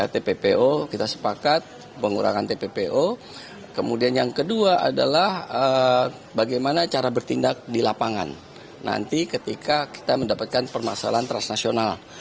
tppo kita sepakat pengurangan tppo kemudian yang kedua adalah bagaimana cara bertindak di lapangan nanti ketika kita mendapatkan permasalahan transnasional